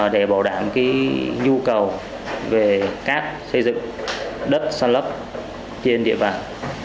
để bảo đảm nhu cầu về cát xây dựng đất săn lấp trên địa bàn